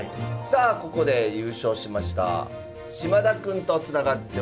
さあここで優勝しました嶋田くんとつながっております。